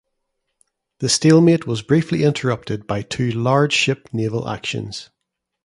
The stalemate was briefly interrupted by two large-ship naval actions.